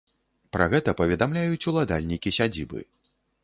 Пра гэта паведамляюць уладальнікі сядзібы.